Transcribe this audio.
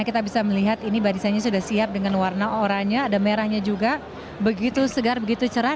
kita bisa melihat ini barisannya sudah siap dengan warna oranye ada merahnya juga begitu segar begitu cerah